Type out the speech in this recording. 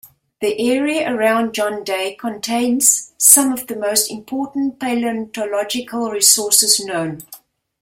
The area around John Day contains some of the most important paleontological resources known.